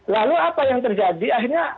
lalu apa yang terjadi akhirnya